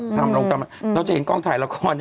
ทำโรงพยาบาลเราจะเห็นกล้องถ่ายละคร